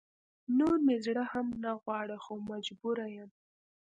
نور مې زړه هم نه غواړي خو مجبوره يم